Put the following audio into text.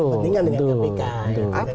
mendingan dengan kpk